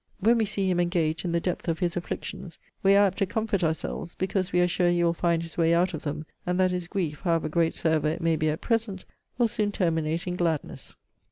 'When we see him engaged in the depth of his afflictions, we are apt to comfort ourselves, because we are sure he will find his way out of them, and that his grief, however great soever it may be at present, will soon terminate in gladness.